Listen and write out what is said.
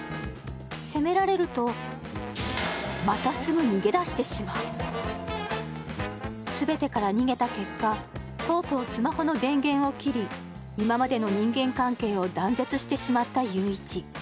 責められるとまたすぐ逃げ出してしまう全てから逃げた結果とうとうスマホの電源を切り今までの人間関係を断絶してしまった裕一